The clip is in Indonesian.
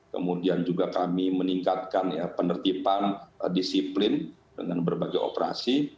kemudian juga kami meningkatkan penertiban disiplin dengan berbagai operasi